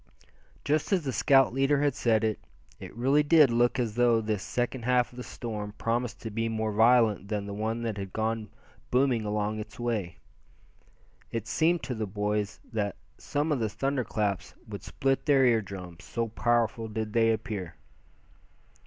Just as the scout leader had said it, it really did look as though this second half of the storm promised to be more violent than the one that had gone booming along its way. It seemed to the boys that some of the thunder claps would split their ear drums, so powerful did they appear.